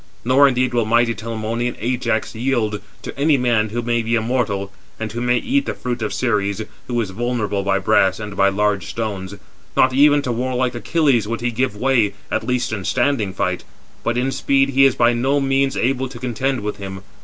Nor indeed will mighty Telamonian Ajax yield to any man who may be a mortal, and who may eat the fruit of Ceres, who is vulnerable by brass and by large stones. Not even to warlike Achilles would he give way, at least in standing fight; but in speed he is by no means able to contend with him.